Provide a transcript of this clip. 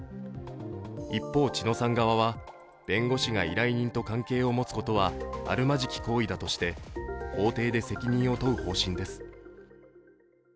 一方、知乃さん側は、弁護士が依頼人と関係を持つことはあるまじき行為だとして法廷で責任を問う方針です。